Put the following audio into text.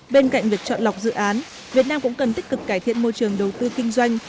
bên cạnh việc chọn lọc dự án việt nam cũng cần tích cực cải thiện môi trường đầu tư kinh doanh